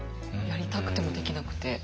やりたくてもできなくて。